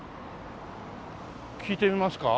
聞いてみますか？